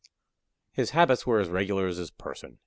His habits were as regular as his person.